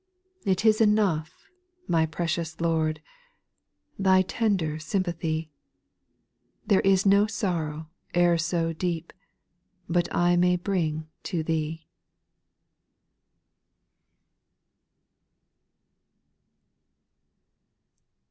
5. It is enough, my precious Lord, Thy tender sympathy ! There is no sorrow e'er so deep, But I may bring to Thee.